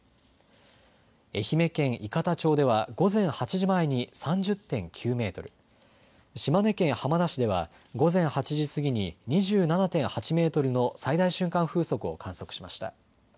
愛媛県伊方町では午前８時前に３０．９メートル、島根県浜田市では午前８時過ぎに２７．８メートルの最大瞬間風速を観測しました。